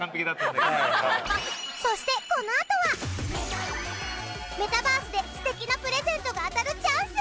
そしてこのあとはメタバースで素敵なプレゼントが当たるチャンス！